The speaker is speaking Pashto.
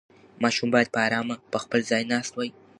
ماشوم باید په ارامه په خپل ځای ناست وای.